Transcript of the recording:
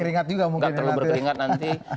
nggak terlalu berkeringat nanti